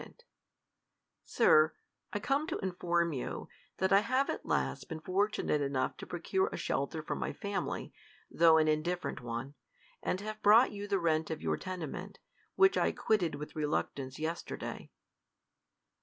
Ten, Sir, I come to inform you, that I have at last been fortunate enough to procure a shelter for my fam ily, though an indifferent one ; and have brought you the rent of your tenement, which I quitted with re luctance yesterday.